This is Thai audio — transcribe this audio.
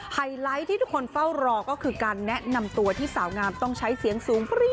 ไฮไลท์ที่ทุกคนเฝ้ารอก็คือการแนะนำตัวที่สาวงามต้องใช้เสียงสูง